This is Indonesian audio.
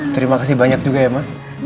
terima kasih banyak juga ya pak